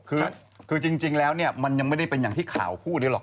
คือจริงแล้วเนี่ยมันยังไม่ได้เป็นอย่างที่ข่าวพูดเลยหรอก